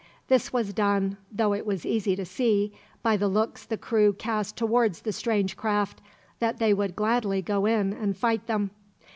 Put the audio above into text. This was done, though it was easy to see, by the looks the crew cast towards the strange craft, that they would gladly go in and fight them.